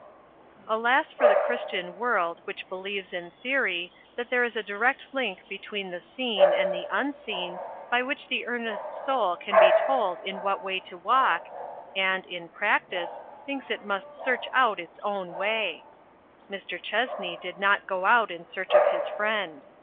Alas for the Christian world which be lieves in theory, that there is a direct link between the seen and the unseen, by which the earnest soul can be told in what way to walk, and, in practice, thinks it must search out its own way ! Mr. Chessney did not go out in search of his friend.